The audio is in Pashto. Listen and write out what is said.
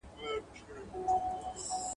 اوښ تې ويل الغبندي وکه، ده ول، په کمو لاسو.